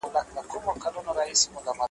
نن د هغو فرشتو سپین هغه واورین لاسونه ,